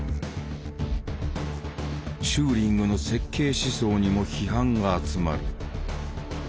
チューリングの設計思想にも批判が集まる。